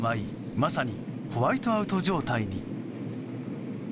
まさにホワイトアウト状態に。